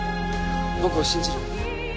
僕を信じる？